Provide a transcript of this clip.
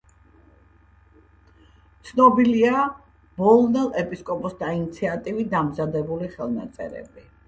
ცნობილია ბოლნელ ეპისკოპოსთა ინიციატივით დამზადებული ხელნაწერები.